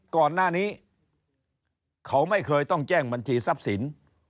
ก่อนหน้านี้เขาไม่เคยต้องแจ้งบัญชีทรัพย์สิน